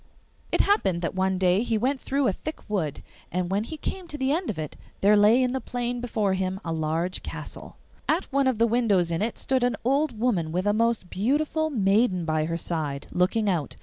It happened that one day he went through a thick wood, and when he came to the end of it there lay in the plain before him a large castle. At one of the windows in it stood an old woman with a most beautiful maiden by her side, looking out.